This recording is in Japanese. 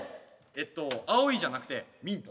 えっとあおいじゃなくてミント。